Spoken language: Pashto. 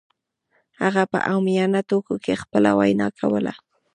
هغه په عامیانه ټکو کې خپله وینا کوله